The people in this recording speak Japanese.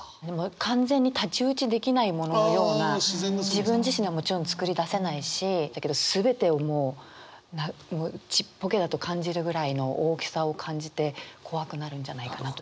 完全に太刀打ちできないもののような自分自身ではもちろんつくり出せないし全てをもうちっぽけだと感じるぐらいの大きさを感じて怖くなるんじゃないかな。